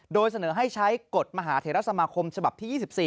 โดยเสนอให้ใช้กฎมหาเทรสมาคมฉบับที่๒๔